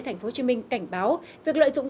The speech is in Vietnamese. tp hcm cảnh báo việc lợi dụng